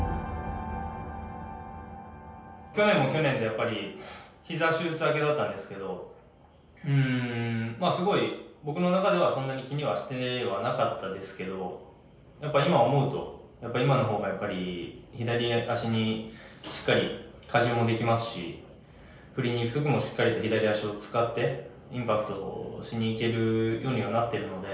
去年も去年でやっぱり膝手術明けだったんですけどすごい僕の中ではそんなに気にはしてはなかったですけど今思うとやっぱ今の方がやっぱり左足にしっかり加重もできますし振りにいく時もしっかりと左足を使ってインパクトをしにいけるようにはなってるので。